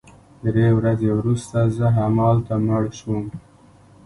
درې ورځې وروسته زه همالته مړ شوم